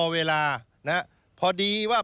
เวลาพอดีว่า